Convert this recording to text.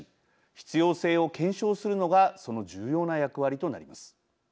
必要性を検証するのがその重要な役割となります。